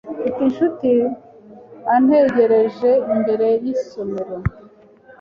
Mfite inshuti antegereje imbere yisomero.